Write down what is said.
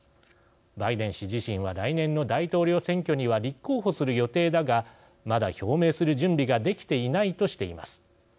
バイデン氏自身は来年の大統領選挙には立候補する予定だがまだ表明する準備ができていないとしています。